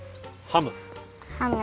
ハム！